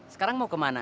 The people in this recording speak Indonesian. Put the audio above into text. sekarang mau kemana